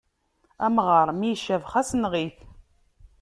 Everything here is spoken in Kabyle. Amɣaṛ mi yecab, xas enɣ-it.